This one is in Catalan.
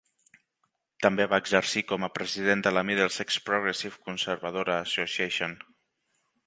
També va exercir com a president de la Middlesex Progressive conservadora Association.